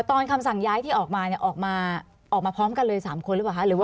คำสั่งย้ายที่ออกมาเนี่ยออกมาออกมาพร้อมกันเลย๓คนหรือเปล่าคะ